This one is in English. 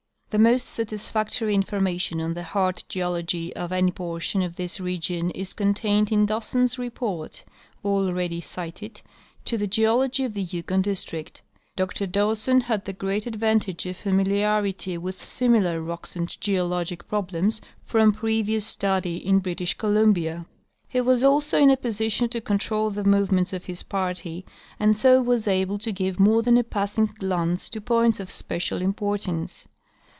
The most satisfactory information on the hard geology of any portion of this region is contained in Dawson's report, already cited, on the geology of the Yukon district. Dr Dawson had the great advantage of familiarity with similar rocks and geologic problems from previous study in British Columbia. He was also 138 C. W. Hayes — Expedition through the Yukon District. in a position to control the movements of his party, and so was able to give more than a passing glance to points of special im portance.